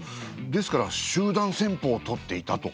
ですから集団戦法をとっていたと。